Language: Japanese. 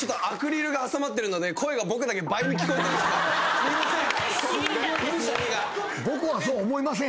すいません。